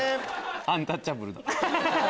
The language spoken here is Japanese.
アンタッチャブルだ。